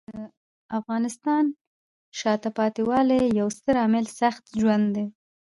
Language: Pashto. د افغانستان د شاته پاتې والي یو ستر عامل سخت ژوند دی.